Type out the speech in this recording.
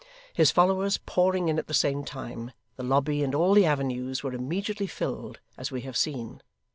His followers pouring in at the same time, the lobby and all the avenues were immediately filled, as we have seen.